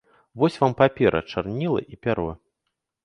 Вось вам папера, чарніла і пяро!